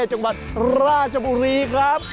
จังหวัดราชบุรีครับ